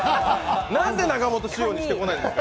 何で中本仕様にしてこないんですか！